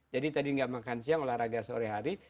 jadi tadi tidak makan siang olahraga sore hari